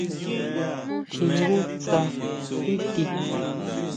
¿Tjingú sjá tíʼti?